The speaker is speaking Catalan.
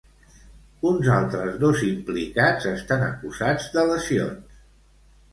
Uns altres dos implicats estan acusats de lesions.